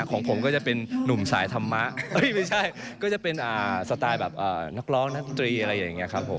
ของผมก็จะเป็นนุ่มสายธรรมะไม่ใช่ก็จะเป็นสไตล์แบบนักร้องนักดนตรีอะไรอย่างนี้ครับผม